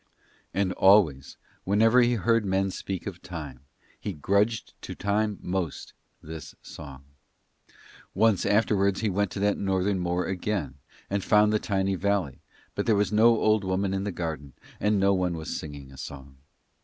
And always, whenever he heard men speak of Time, he grudged to Time most this song. Once afterwards he went to that Northern moor again and found the tiny valley, but there was no old woman in the garden, and no one was singing a song.